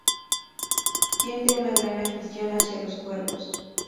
Siente una gran afición hacia los cuervos.